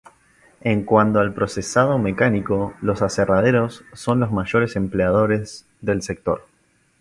En cuando al procesado mecánico, los aserraderos son los mayores empleadores del sector.